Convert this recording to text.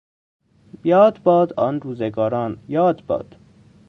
یاد باد آن روزگاران یاد باد